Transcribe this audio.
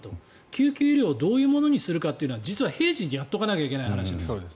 救急医療をどういうものにするかってのは平時にやっておかなきゃならないことなんです。